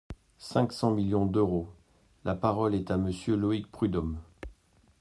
cinq cents millions d’euros ! La parole est à Monsieur Loïc Prud’homme.